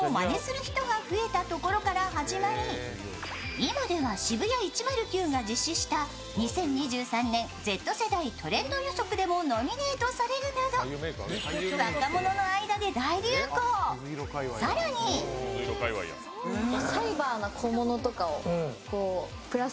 今ではＳＨＩＢＵＹＡ１０９が実施したＺ世代トレンド予測でもノミネートされるなど若者の間で大流行、更にかわいいやんか。